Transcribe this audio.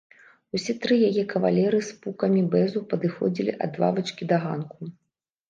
Усе тры яе кавалеры з пукамі бэзу падыходзілі ад лавачкі да ганку.